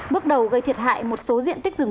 bước đầu gây thiệt hại một số diện tích rừng